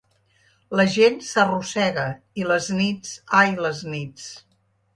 La gent s’arrossega i les nits… ai, les nits.